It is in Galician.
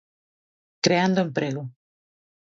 Creando emprego.